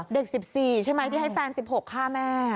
เด็ก๑๔ใช่ไหมที่ให้แฟน๑๖ฆ่าแม่